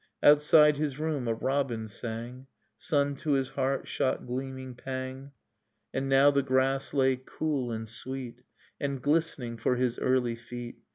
Outside his room a robin sang. Sun to his heart shot gleaming pang. And now the grass lay cool and sweet And glistening for his early feet.